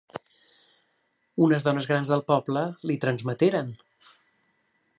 Unes dones grans del poble li transmeteren.